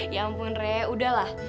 ya ampun re udahlah